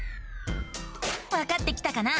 わかってきたかな？